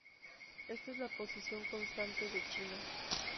Esta es la posición constante de China.